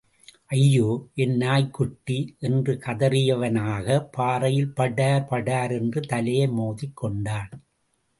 ஐயோ, என் நாய்க்குட்டி? என்று கதறியவனாக, பாறையில் படார், படார் என்று தலையை மோதிக் கொண்டான்.